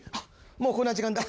もうこんな時間か。